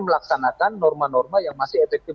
melaksanakan norma norma yang masih efektif